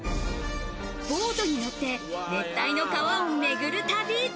ボートに乗って、熱帯の川を巡る旅。